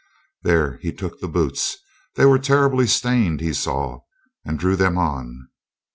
There he took the boots they were terribly stained, he saw and drew them on.